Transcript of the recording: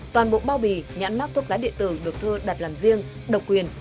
toàn bộ bao bì nhãn mác thuốc lá địa tử được thơ đặt làm riêng độc quyền